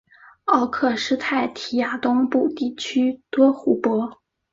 奥克施泰提亚东部地区多湖泊。